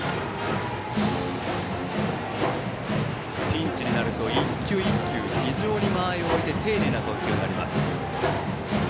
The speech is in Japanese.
ピンチになると１球１球非常に間合いを置いて丁寧な投球になります。